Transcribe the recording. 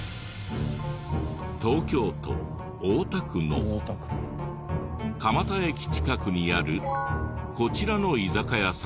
東京都大田区の蒲田駅近くにあるこちらの居酒屋さんに。